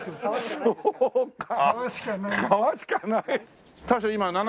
そうか。